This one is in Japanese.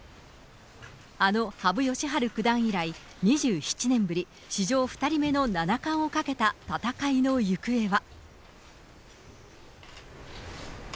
あの羽生善治九段以来、２７年ぶり、史上２人目の七冠をかけた戦いの行方は。